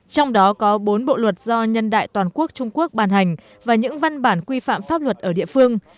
trong đó có bốn bộ luật do nhân đại toàn quốc trung quốc bàn hành và những văn bản quy phạm pháp luật ở địa phương